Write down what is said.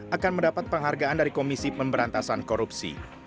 akan mendapat penghargaan dari komisi pemberantasan korupsi